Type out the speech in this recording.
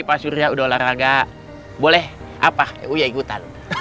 mas uriah udah olahraga boleh apa uya ikutan